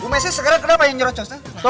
bu messi sekarang kenapa yang nyerocosnya